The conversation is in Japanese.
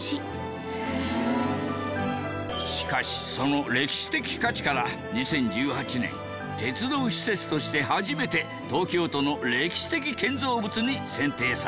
しかしその歴史的価値から２０１８年鉄道施設として初めて東京都の歴史的建造物に選定されたんじゃ。